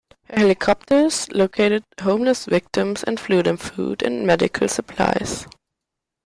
Her helicopters located homeless victims and flew them food and medical supplies.